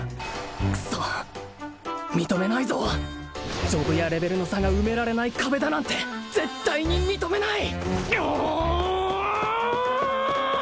クソッ認めないぞジョブやレベルの差が埋められない壁だなんて絶対に認めないうおおお！